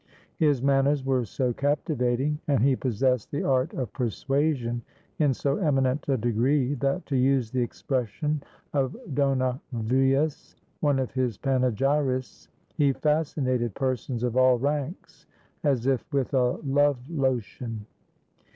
His man ners were so captivating, and he possessed the art of persuasion in so eminent a degree, that, to use the expres sion of Dornavius, one of his panegyrists, "he fasci nated persons of all ranks, as if with a love lotion."